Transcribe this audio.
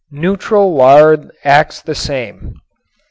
Neutral lard acts the same.